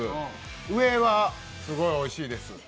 上はすごいおいしいです。